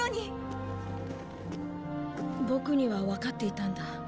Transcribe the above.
ボクにはわかっていたんだ。